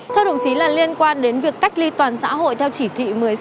thưa đồng chí liên quan đến việc cách ly toàn xã hội theo chỉ thị